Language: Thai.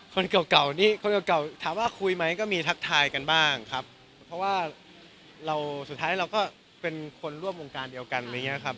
คนเก่านี่คนเก่าถามว่าคุยไหมก็มีทักทายกันบ้างครับ